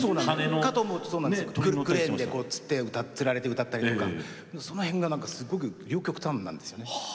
かと思うとクレーンでつられて歌ったりとかその辺がすごく両極端なんですね。